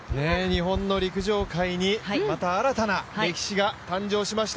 日本の陸上界にまた新たな歴史が誕生しました。